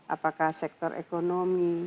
apakah sektor ekonomi